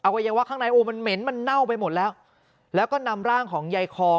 วัยวะข้างในโอ้มันเหม็นมันเน่าไปหมดแล้วแล้วก็นำร่างของยายคอง